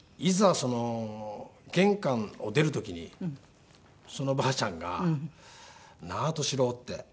その玄関を出る時にそのばあちゃんが「なあ敏郎」って。